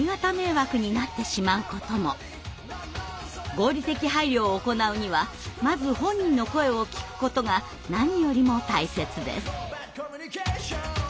合理的配慮を行うにはまず本人の声を聞くことが何よりも大切です。